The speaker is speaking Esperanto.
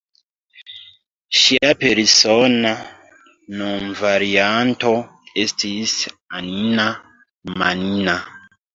Ŝia persona nomvarianto estis "Anna-manna".